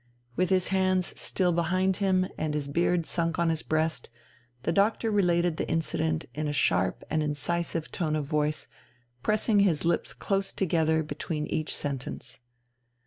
With his hands still behind him and his beard sunk on his breast, the doctor related the incident in a sharp and incisive tone of voice, pressing his lips close together between each sentence.